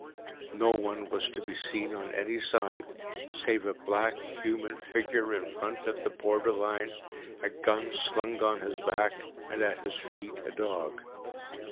No one was to be seen on any side, save a black human figure in front at the border line, a gun slung on his back, and at his feet a dog.